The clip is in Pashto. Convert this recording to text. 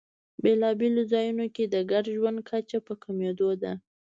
بېلابېلو ځایونو کې د ګډ ژوند کچه په کمېدو ده.